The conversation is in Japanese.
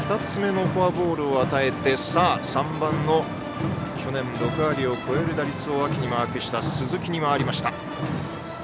２つ目のフォアボールを与えてさあ、３番の去年６割を超える打率を秋にマークした鈴木に回りました。